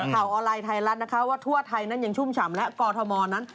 ออนไลน์ไทยรัฐนะคะว่าทั่วไทยนั้นยังชุ่มฉ่ำและกอทมนั้น